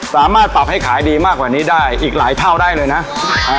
สามารถปรับให้ขายดีมากกว่านี้ได้อีกหลายเท่าได้เลยนะอ่า